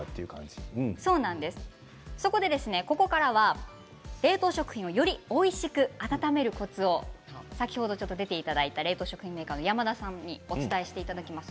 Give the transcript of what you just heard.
そこで、ここからは冷凍食品をよりおいしく温めるコツを先ほど見ていた冷凍食品メーカーの山田さんにお伝えしていただきます。